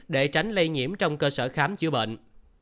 để tránh lây nhiễm trong cơ sở khám chữa bệnh